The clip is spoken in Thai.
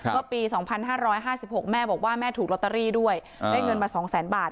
เมื่อปี๒๕๕๖แม่บอกว่าแม่ถูกลอตเตอรี่ด้วยได้เงินมา๒แสนบาท